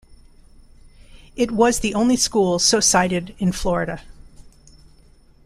It was the only school so cited in Florida.